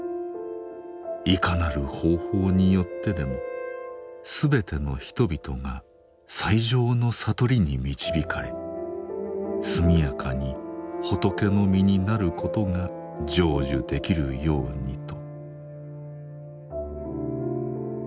いかなる方法によってでもすべての人々が最上の悟りに導かれすみやかに仏の身になることが成就できるようにと。